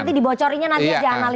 nanti dibocorinnya nanti aja analisnya